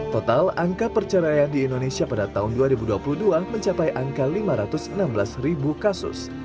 total angka perceraian di indonesia pada tahun dua ribu dua puluh dua mencapai angka lima ratus enam belas kasus